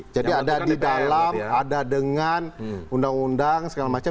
jadi ada di dalam ada dengan undang undang segala macam